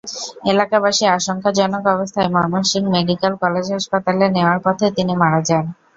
এলাকাবাসী আশঙ্কাজনক অবস্থায় ময়মনসিংহ মেডিকেল কলেজ হাসপাতালে নেওয়ার পথে তিনি মারা যান।